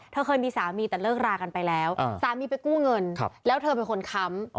เธอเคยมีสามีแต่เลิกรากันไปแล้วสามีไปกู้เงินแล้วเธอเป็นคนค้ำ